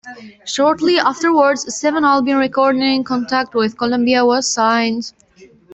Shortly afterward, a seven album recording contract with Columbia was signed.